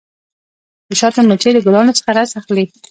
د شاتو مچۍ د ګلانو څخه رس اخلي.